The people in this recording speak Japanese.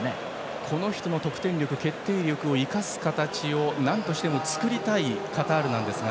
この人の得点力決定力を生かす形をなんとしても作りたいカタールですが。